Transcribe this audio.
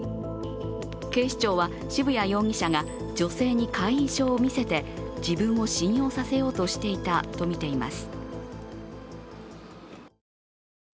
警視庁は渋谷容疑者が女性に会員証を見せて自分を信用させようとしていたとみています。